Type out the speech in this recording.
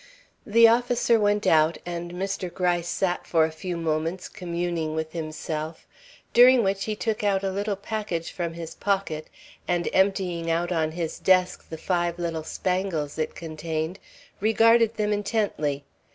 The officer went out, and Mr. Gryce sat for a few moments communing with himself, during which he took out a little package from his pocket, and emptying out on his desk the five little spangles it contained, regarded them intently.